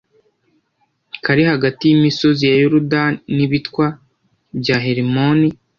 kari hagati y’imisozi ya Yorudani n’ibitwa bya Herimoni